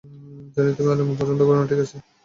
জানি তুমি আলিঙ্গন পছন্দ করো না, ঠিক আছে।